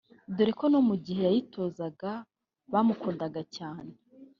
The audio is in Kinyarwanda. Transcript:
dore ko no mu gihe yayitozaga bamukundaga cyane